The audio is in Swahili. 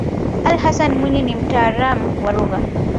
ali hassan mwinyi ni mtaalamu wa lugha